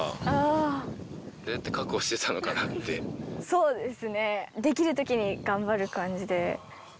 そうですね。